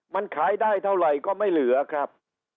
มันขายได้เท่าไหร่ก็ไม่เหลือครับ